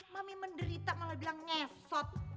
mami menderita malah bilang ngesot